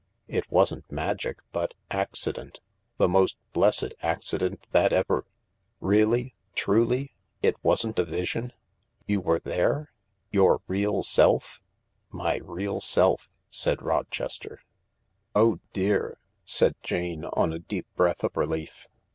It wasn't magic, but accident — the most blessed accident that ever "" Really — truly ? It wasn't a vision — you were there — your real self ?"" My real self," said Rochester. " Oh dear I " said Jane, on a deep breath of relief.